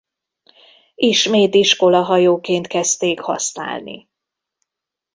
Ismét iskolahajóként kezdték használni.